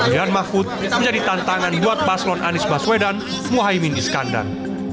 dan mahfud menjadi tantangan buat baslon anies baswedan muhaymin iskandar